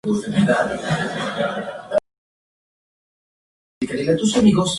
Sus estudios y oficinas se encuentran ubicados en Av.